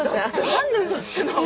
何でうそつくの？